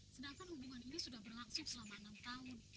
sedangkan hubungan ini sudah berlangsung selama enam tahun